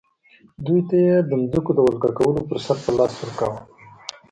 دوی ته یې د ځمکو د ولکه کولو فرصت په لاس ورکاوه.